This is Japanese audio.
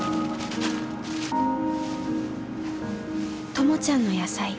ともちゃんの野菜